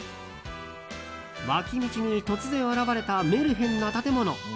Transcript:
脇道に突然現れたメルヘンな建物。